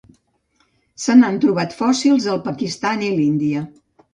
Se n'han trobat fòssils al Pakistan i l'Índia.